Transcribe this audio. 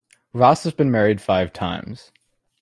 Ross has been married five times.